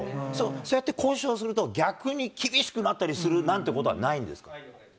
そうやって交渉すると、逆に厳しくなったりするなんてことはないんですか。